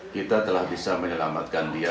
kita telah bisa menyelamatkan dia